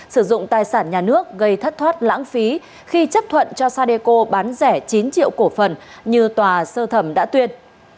sử dụng tài sản nhà nước gây thất thoát lãng phí khi chấp thuận cho sadeco bán rẻ chín triệu cổ phần như tòa sơ thẩm đã tuyên